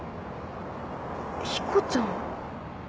彦ちゃん？